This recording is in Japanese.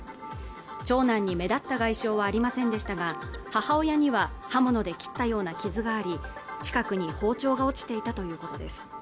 長男に目立った外傷はありませんでしたが母親には刃物で切ったような傷があり近くに包丁が落ちていたということです